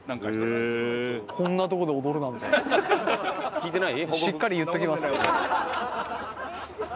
聞いてない？